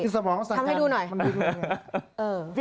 สวัสดีครับ